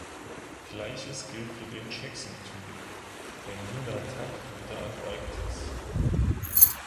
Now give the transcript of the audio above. Gleiches gilt für den Jackson Tooth, einen Nunatak in der Antarktis.